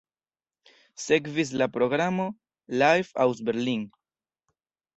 Sekvis la programo "Live aus Berlin".